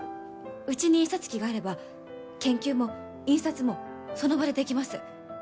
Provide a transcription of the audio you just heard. うちに印刷機があれば研究も印刷もその場でできます。